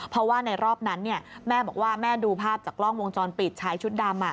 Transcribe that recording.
เพราะว่าในรอบนั้นแม่บอกว่าแม่ดูภาพจากกล้องวงจรปิดชายชุดดำ